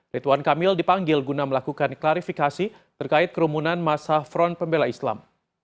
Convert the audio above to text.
rituan kamil dipanggil guna melakukan klarifikasi terkait kerumunan masa front pembela islam